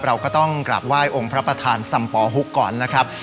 เราก็ต้องกราบไหว้องค์พระประธานสัมปอฮุกก่อนนะครับ